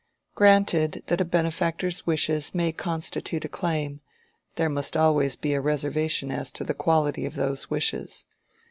Granted that a benefactor's wishes may constitute a claim; there must always be a reservation as to the quality of those wishes.